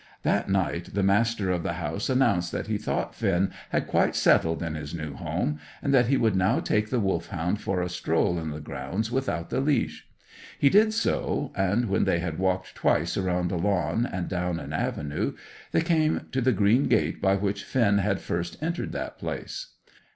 That night the master of the house announced that he thought Finn had quite settled in his new home, and that he would now take the Wolfhound for a stroll in the grounds without the leash. He did so, and when they had walked twice round a lawn and down an avenue, they came to the green gate by which Finn had first entered that place.